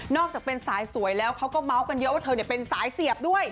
อกจากเป็นสายสวยแล้วเขาก็เมาส์กันเยอะว่าเธอเป็นสายเสียบด้วย